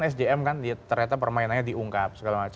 sdm kan ternyata permainannya diungkap